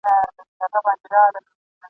مدرسې به وي تړلي ورلوېدلي وي قلفونه !.